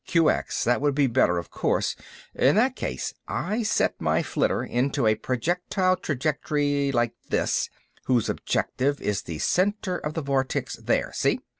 "QX; that would be better, of course. In that case, I set my flitter into a projectile trajectory like this, whose objective is the center of the vortex, there. See?